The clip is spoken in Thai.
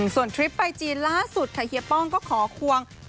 ส่วนทริปไปจีนล่าสุดค่ะเฮียป้องก็ขอควง